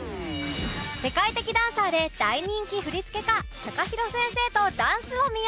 世界的ダンサーで大人気振付家 ＴＡＫＡＨＩＲＯ 先生とダンスを見よう！